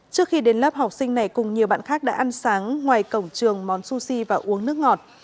trước khi đến lớp học sinh này cùng nhiều bạn khác đã ăn sáng ngoài cổng trường món sushi và uống nước ngọt